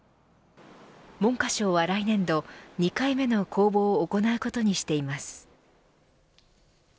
文科省は来年度２回目の公募を行うことにしています。